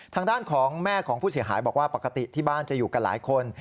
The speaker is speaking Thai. ทางด้านของแม่ของผู้เสียหายบอกว่าปกติที่บ้านจะอยู่กันหลายคน